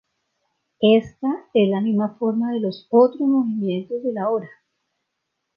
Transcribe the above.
Ésta es la misma forma de los otros movimientos de la obra.